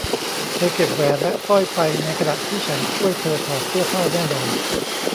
เธอเก็บแหวนและสร้อยไปในขณะที่ฉันช่วยเธอถอดเสื้อผ้าแน่นอน